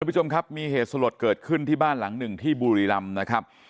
ผู้ชมครับมีเหตุสลดเกิดขึ้นที่บ้านหลังหนึ่งที่บุรีรำนะครับ